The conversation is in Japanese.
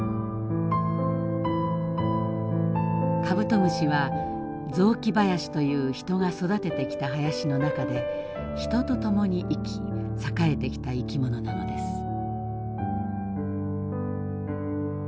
カブトムシは雑木林という人が育ててきた林の中で人とともに生き栄えてきた生き物なのです。